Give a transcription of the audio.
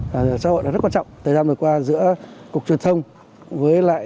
và cho họ là rất quan trọng thời gian vừa qua giữa cục truyền thông với lại